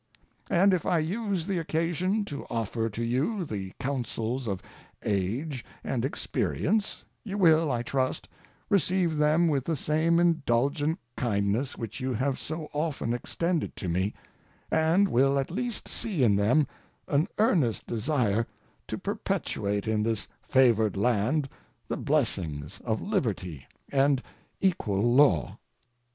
And if I use the occasion to offer to you the counsels of age and experience, you will, I trust, receive them with the same indulgent kindness which you have so often extended to me, and will at least see in them an earnest desire to perpetuate in this favored land the blessings of liberty and equal law.